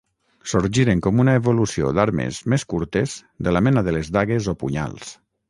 Sorgiren com una evolució d'armes més curtes de la mena de les dagues o punyals.